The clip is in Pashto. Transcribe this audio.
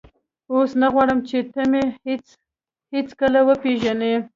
اوس نه غواړم چې ته مې هېڅکله وپېژنې.